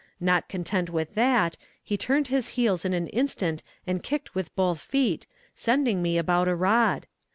Not content with that, he turned his heels in an instant and kicked with both feet, sending me about a rod.